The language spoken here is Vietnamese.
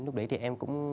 lúc đấy thì em cũng